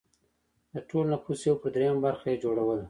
د ټول نفوس یو پر درېیمه برخه یې جوړوله.